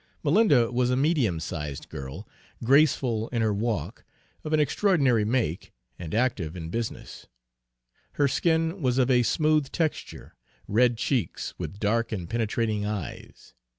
Malinda was a medium sized girl, graceful in her walk, of an extraordinary make, and active in business. Her skin was of a smooth texture, red cheeks, with dark and penetrating eyes.